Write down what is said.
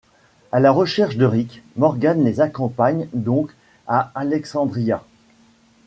À la recherche de Rick, Morgan les accompagne donc à Alexandria.